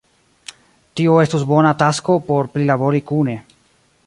tio estus bona tasko por prilabori kune.